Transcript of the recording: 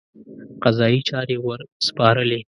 قضایي چارې ورسپارلې.